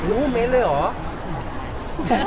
โอ้โหเมตเลยเหรอ